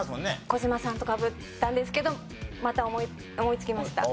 児嶋さんとかぶったんですけどまた思いつきました。